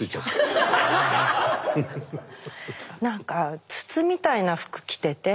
何か筒みたいな服着てて。